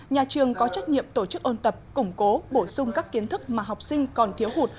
nhà trường có trách nhiệm tổ chức ôn tập củng cố bổ sung các kiến thức mà học sinh còn thiếu hụt